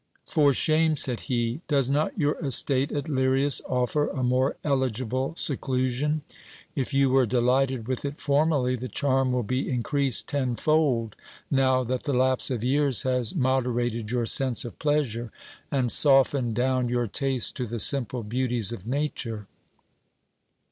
For shame ! said he ; does not your estate at Lirias offer a more eligible seclusion? If you were delighted with it formerly, the charm will be increased tenfold, now that the lapse of years has moderated your sense of pleasure, and softened down your taste to the simple beauties of nature.